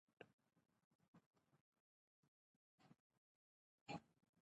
نيزو به نيزوړي پر سر را اخيستي ول